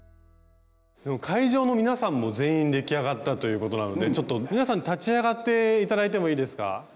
会場の皆さんも全員出来上がったということなので皆さん立ち上がって頂いてもいいですか？